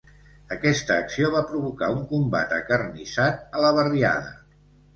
Aquesta acció va provocar un combat acarnissat a la barriada.